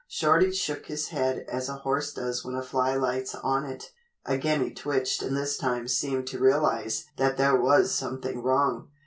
Shorty shook his head as a horse does when a fly lights on it. Again he twitched and this time seemed to realize that there was something wrong.